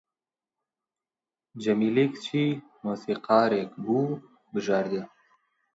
جەمیلەی کچی مۆسیقارێک بوو بژاردە